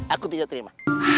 aku tidak terima